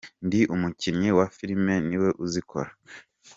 Ndi umukinnyi wa filimi, niwe uzikora.